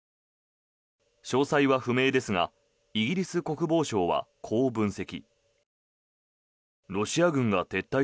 詳細は不明ですがイギリス国防省は、こう分析。